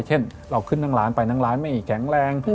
เช่นเราขึ้นร้านไปร้านไม่แข็งแรง